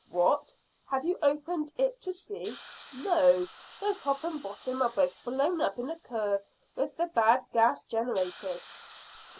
"What, have you opened it to see?" "No; the top and bottom are both blown up in a curve with the bad gas generated."